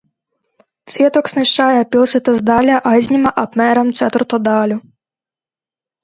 Cietoksnis šajā pilsētas daļā aizņēma apmēram ceturto daļu.